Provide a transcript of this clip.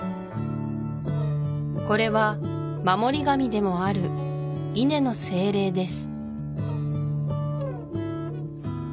これは守り神でもある稲の精霊です